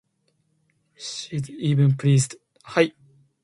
She is even pleased.